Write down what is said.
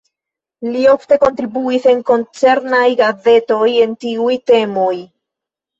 Li ofte kontribuis en koncernaj gazetoj en tiuj temoj.